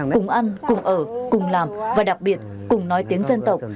cùng ăn cùng ở cùng làm và đặc biệt cùng nói tiếng dân tộc